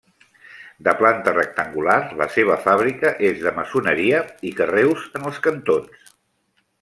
De planta rectangular, la seva fàbrica és de maçoneria i carreus en els cantons.